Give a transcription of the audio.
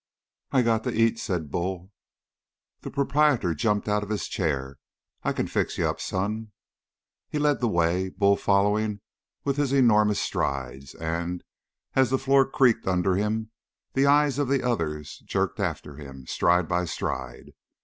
"I got to eat," said Bull. The proprietor jumped out of his chair. "I can fix you up, son." He led the way, Bull following with his enormous strides, and, as the floor creaked under him, the eyes of the others jerked after him, stride by stride.